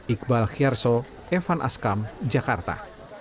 iqbal khiyarso evan askam jakarta